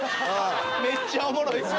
めっちゃおもろい！